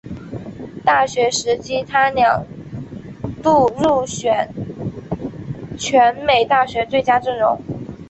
大学时期他两度入选全美大学最佳阵容。